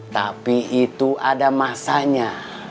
tapi itu ada masanya